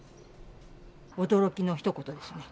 驚きのひと言ですね。